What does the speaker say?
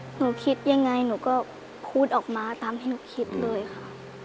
หนูคิดยังไงหนูก็พูดออกมาตามที่หนูคิดเลยค่ะ